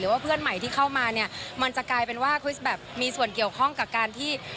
ว่าเพื่อนใหม่ที่เข้ามาเนี่ยมันจะกลายเป็นว่าคริสแบบมีส่วนเกี่ยวข้องกับการที่